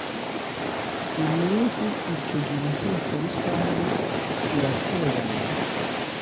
iminsi icyo gihe inteko rusange iraterana